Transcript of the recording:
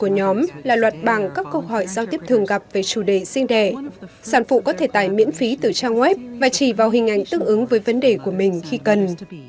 về phần nội dung là một trong những câu hỏi mà các giáo viên tiếp thường gặp về chủ đề sinh đẻ sản phụ có thể tải miễn phí từ trang web và chỉ vào hình ảnh tương ứng với vấn đề của mình khi cần